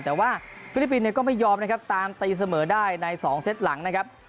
แต่ว่าฟิลิปปินส์ก็ไม่ยอมนะครับตามตีเสมอได้ใน๒เซตหลังนะครับ